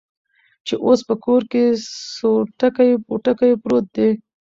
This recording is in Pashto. چې اوس په کور کې سوتکى بوتکى پروت دى.